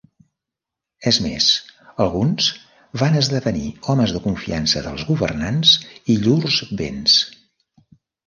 És més, alguns van esdevenir homes de confiança dels governants i llurs béns.